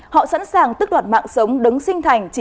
họ sẵn sàng tức đoạt mạng sống đứng sinh thành